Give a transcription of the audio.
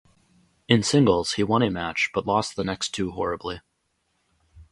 In singles, he won a match but lost the next two horribly.